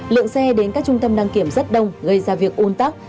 lượng xe đến các trung tâm đăng kiểm rất đông gây ra việc un tắc